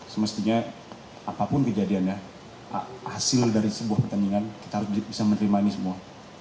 semestinya apapun kejadiannya hasil dari sebuah pertandingan kita harus bisa menerima ini semua